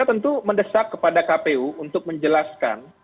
untuk mendesak kepada kpu untuk menjelaskan